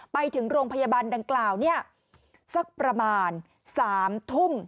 ไปถึงโรงพยาบาลดังกล่าวสักประมาณ๓ทุ่ม